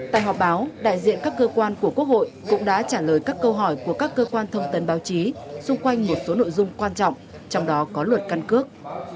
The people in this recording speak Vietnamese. tại họp báo đại diện các cơ quan của quốc hội cũng đã trả lời các câu hỏi của các cơ quan thông tấn báo chí xung quanh một số nội dung quan trọng trong đó có luật căn cước